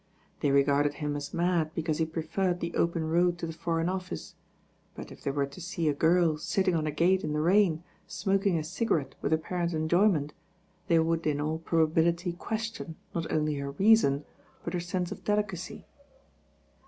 They regarded him as mad because he preferred the open road to the Foreign Office ; but if they were to see a girl sitting on a gate in the rain, smoking a cigarette with apparent enjoyment, they would in. i THE BAIN OIRL tU probftbUitf quetdon, not only her reaiOiL fot lier Mnte of delioicy.